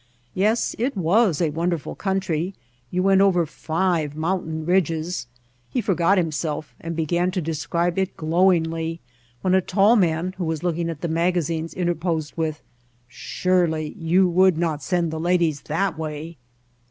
Yes, it w^as a wonderful country; you went over five mountain ridges. He forgot himself and began to describe it glowingly when a tall man who was looking at the magazines interposed with: "Surely, you would not send the ladies that way!"